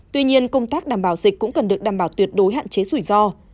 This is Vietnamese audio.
tuy nhiên công tác đảm bảo dịch cũng cần được đảm bảo tuyệt đối hạn chế rủi ro